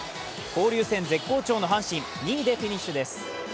交流戦絶好調の阪神２位でフィニッシュです。